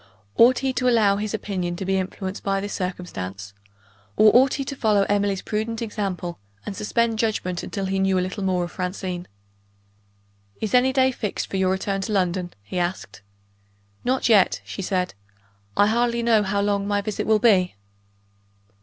Ought he to allow his opinion to be influenced by this circumstance? or ought he to follow Emily's prudent example, and suspend judgment until he knew a little more of Francine? "Is any day fixed for your return to London?" he asked. "Not yet," she said; "I hardly know how long my visit will be."